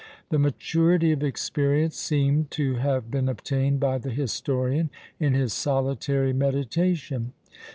The maturity of experience seemed to have been obtained by the historian in his solitary meditation.